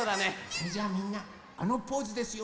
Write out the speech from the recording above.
それじゃみんなあのポーズですよ。